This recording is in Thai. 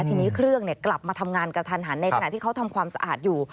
ทีนี้เครื่องกลับมาทำงานกระทันหันในขณะที่เขาทำความสะอาดอยู่